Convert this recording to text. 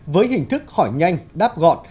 với hình thức hỏi nhanh đáp gọn